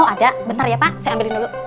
oh ada bentar ya pak saya ambilin dulu